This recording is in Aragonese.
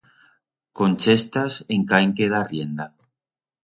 Conchestas encá en queda arrienda.